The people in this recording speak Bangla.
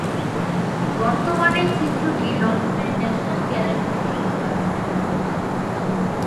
বর্তমানে চিত্রটি লন্ডনের ন্যাশনাল গ্যালারিতে শোভা পাচ্ছে।